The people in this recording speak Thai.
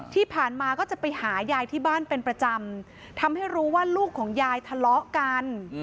ที่ผ่านมาก็จะไปหายายที่บ้านเป็นประจำทำให้รู้ว่าลูกของยายทะเลาะกัน